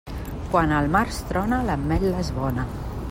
Quan al març trona, l'ametla és bona.